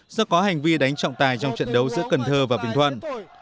do có hành vi đánh trọng tài trong trận đấu giữa cần thơ và bình thuận